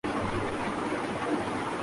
سے علوم کا ذخیرہ اس میں منتقل ہو